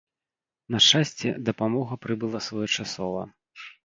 На шчасце, дапамога прыбыла своечасова.